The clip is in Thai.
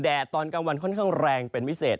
ตอนกลางวันค่อนข้างแรงเป็นพิเศษ